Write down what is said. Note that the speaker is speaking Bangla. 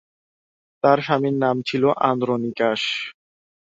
তার স্বামীর নাম ছিল আন্দ্রোনিকাস।